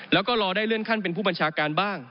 แล้วก็รอได้เลื่อนขั้นเป็นผู้บัญชาการบ้าง